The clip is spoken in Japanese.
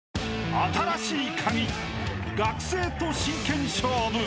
［『新しいカギ』学生と真剣勝負！］